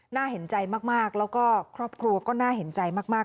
น่าเห็นใจมากแล้วก็ครอบครัวก็น่าเห็นใจมาก